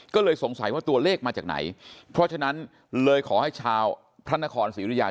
ก็เลยสงสัยว่าตัวเลขมาจากไหนเพราะฉะนั้นเลยขอให้ชาวพระนครศรีรุยา